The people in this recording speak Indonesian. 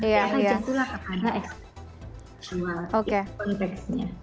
jadi itu adalah keadaan eksternal konteksnya